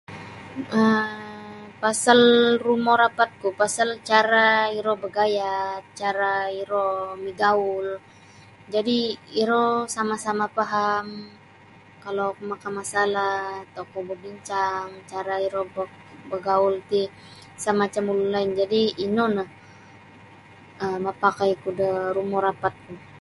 um Pasal rumo rapatku pasal cara iro bagayad cara iro migaul jadi iro sama-sama faham kalau oku maka masalah tokou babincang cara iri bagaul ti isa isa macam ulun lain jadi ino no mapakai ku da rumo rapat ku.